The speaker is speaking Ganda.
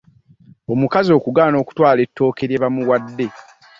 Omukazi okugaana okutwala etooke lye bamuwadde .